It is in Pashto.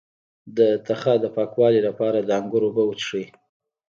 د تخه د پاکوالي لپاره د انګور اوبه وڅښئ